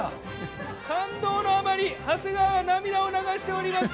感動のあまり、長谷川は涙を流しております。